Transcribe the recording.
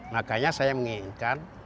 makanya saya menginginkan